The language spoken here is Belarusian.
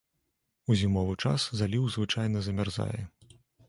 У зімовы час заліў звычайна замярзае.